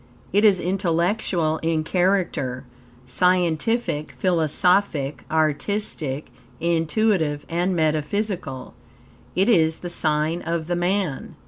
It is intellectual in character, scientific, philosophic, artistic, intuitive and metaphysical. It is the sign of the Man.